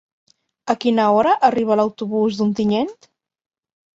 A quina hora arriba l'autobús d'Ontinyent?